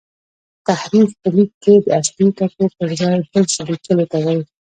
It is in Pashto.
تحریف په لیک کښي د اصلي ټکو پر ځای بل څه لیکلو ته وايي.